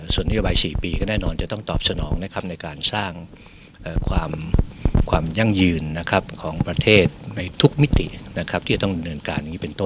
ส่วนนโยบาย๔ปีก็แน่นอนจะต้องตอบสนองนะครับในการสร้างความยั่งยืนนะครับของประเทศในทุกมิตินะครับที่จะต้องดำเนินการอย่างนี้เป็นต้น